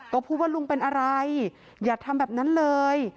ก็พูดว่าลุงเป็นอะไรอย่าทำแบบนั้นเลย